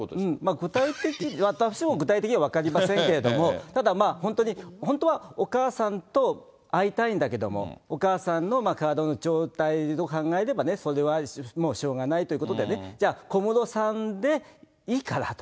具体的に、私も具体的には分かりませんけれども、ただ、本当に、本当はお母さんと会いたいんだけれども、お母さんの体の状態を考えれば、それはもうしょうがないということでね、じゃあ、小室さんでいいからと。